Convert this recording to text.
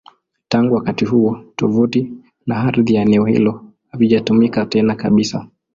Tangu wakati huo, tovuti na ardhi ya eneo hilo havijatumika tena kabisa.